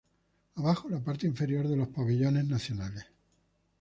Abajo la parte inferior de los pabellones nacionales.